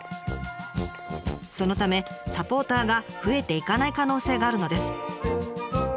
そのためサポーターが増えていかない可能性があるのです。